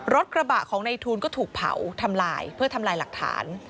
รถกระบะของในทูลก็ถูกเผาทำลายเพื่อทำลายหลักฐาน